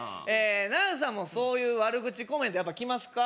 ナダルさんもそういう悪口コメントやっぱ来ますか？